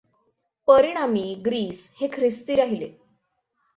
परिणामी ग्रीस हे ख्रिस्ती राहिले.